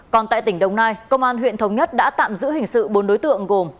còn tại tỉnh đồng nai công an huyện thống nhất đã tạm giữ hình sự bốn đối tượng gồm